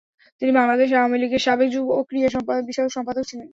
তিনি বাংলাদেশ আওয়ামী লীগের সাবেক যুব ও ক্রীড়া বিষয়ক সম্পাদক ছিলেন।